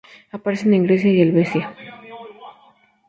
Aparecen en Grecia y Helvecia.